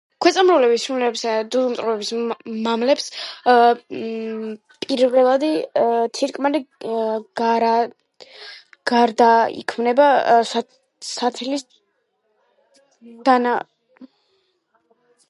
ქვეწარმავლების, ფრინველებისა და ძუძუმწოვრების მამლების პირველადი თირკმელი გარდაიქმნება სათესლის დანამატად და თესლის გამოტანას ემსახურება.